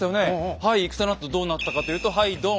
はい戦のあとどうなったかというとはいドン。